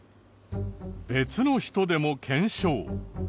別の人でも検証。